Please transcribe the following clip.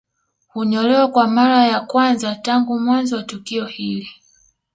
Hunyolewa kwa mara ya kwanza tangu mwanzo wa tukio hili